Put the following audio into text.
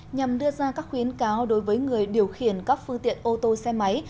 nhằm đưa ra các khuyến cáo đối với người điều khiển các phương tiện ô tô xe máy